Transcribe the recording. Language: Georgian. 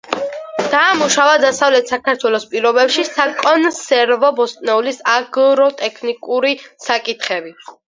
დაამუშავა დასავლეთ საქართველოს პირობებში საკონსერვო ბოსტნეულის აგროტექნიკური საკითხები.